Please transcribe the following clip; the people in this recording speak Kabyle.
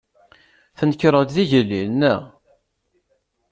Tnekreḍ-d d igellil, naɣ?